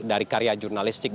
dari karya jurnalistik